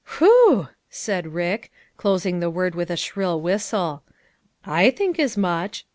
" Whew !" said Rick, closing the word with a shrill whistle ;" I think as much